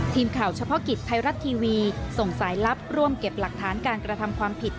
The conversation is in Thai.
ทีมข่าวเฉพาะกิจไทยรัฐทีวีส่งสายลับร่วมเก็บหลักฐานการกระทำความผิด